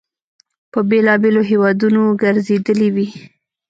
په بېلابېلو هیوادونو ګرځېدلی وي.